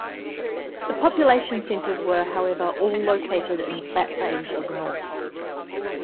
The population centers were, however, all located in the flat plains of the north.